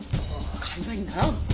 会話にならん！